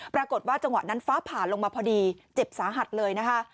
ปรากฏว่าจังหวะนั้นฟ้าผ่าลงมาพอดีเจ็บสาหัสเลยนะคะ